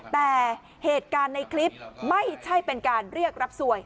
แต่เหตุการณ์ในคลิปไม่ใช่เป็นการเรียกรับสวย